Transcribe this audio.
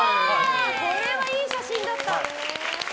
これはいい写真だった。